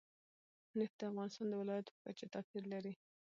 نفت د افغانستان د ولایاتو په کچه توپیر لري.